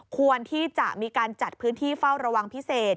ควรที่จะมีการจัดพื้นที่เฝ้าระวังพิเศษ